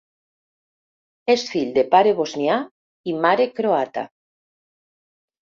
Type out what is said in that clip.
És fill de pare bosnià i mare croata.